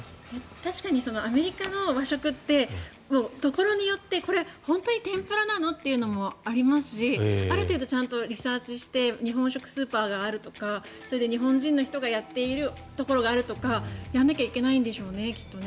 確かにアメリカの和食ってところによってこれは本当に天ぷらなの？というのもありますしある程度ちゃんとリサーチして日本食スーパーがあるとかそれで日本人の人がやっているところがあるとかやらなきゃいけないんでしょうねきっとね。